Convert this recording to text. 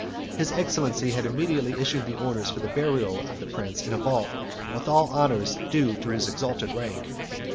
His excellency had immediately issued his orders for the burial of the prince in a vault with all the honours due to his exalted rank.